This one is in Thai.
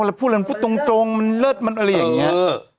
แล้วพูดอะไรมันพูดตรงมันเลิศมันอะไรอย่างนี้